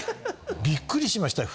びっくりしましたよ